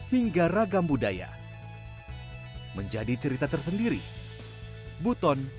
menikmati jernihnya air laut pesisir pantai